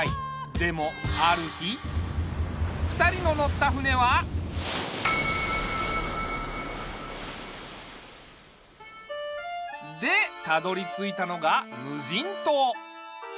でもある日２人の乗った船は。でたどりついたのがむじんとう。